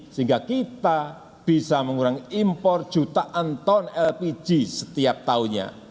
sehingga kita bisa mengurangi impor jutaan ton lpg setiap tahunnya